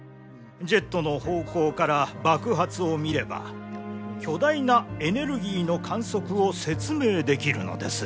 ジェットの方向から爆発を見れば巨大なエネルギーの観測を説明できるのです。